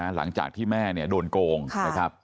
หลังจากที่แม่โดนโกงนะครับ